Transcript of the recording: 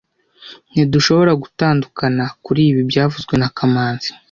Ntidushobora gutandukana kuri ibi byavuzwe na kamanzi